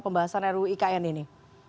pembahasan ruikn ini